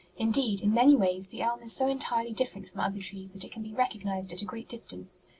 Indeed, in many ways, the elm is so entirely different from other trees that it can be recognized at a great distance.